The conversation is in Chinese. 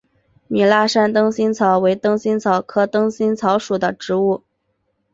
米拉山灯心草为灯心草科灯心草属的植物。